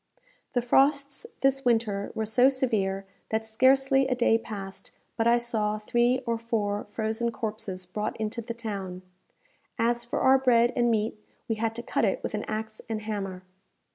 The frosts this winter were so severe, that scarcely a day passed but I saw three or four frozen corpses brought into the town. As for our bread and meat, we had to cut it with an axe and hammer.